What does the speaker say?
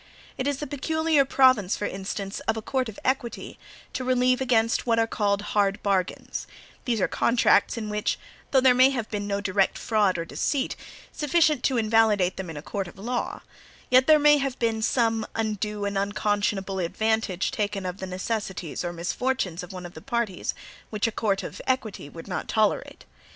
It is the peculiar province, for instance, of a court of equity to relieve against what are called hard bargains: these are contracts in which, though there may have been no direct fraud or deceit, sufficient to invalidate them in a court of law, yet there may have been some undue and unconscionable advantage taken of the necessities or misfortunes of one of the parties, which a court of equity would not tolerate.